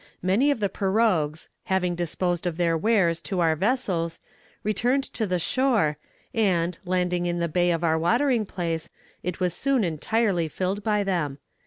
Many of the pirogues, having disposed of their wares to our vessels, returned to the shore, and, landing in the bay of our watering place, it was soon entirely filled by them.